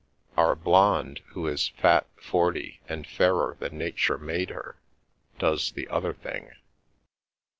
Our blonde, who is fat, forty, and fairer than nature made her, does the other thing."